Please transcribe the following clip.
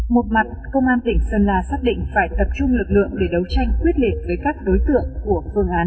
một mặt công an tỉnh sơn la xác định phải tập trung lực lượng để đấu tranh quyết liệt với các đối tượng của phương án hai trăm bảy mươi chín